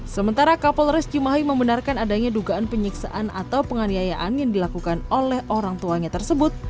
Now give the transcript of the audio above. sementara kapolres cimahi membenarkan adanya dugaan penyiksaan atau penganiayaan yang dilakukan oleh orang tuanya tersebut